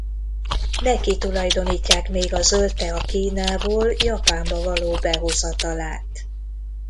Neki tulajdonítják még a zöld tea Kínából Japánba való behozatalát.